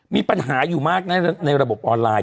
มีปัญหาอยู่มากในระบบออนไลน์